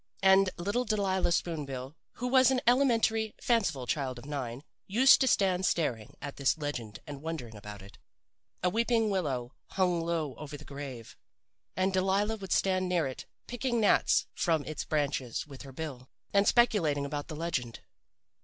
"And little Delilah Spoon bill, who was an elementary, fanciful child of nine, used to stand staring at this legend and wondering about it. A weeping willow hung low over the grave, and Delilah would stand near it picking gnats from its branches with her bill, and speculating about the legend.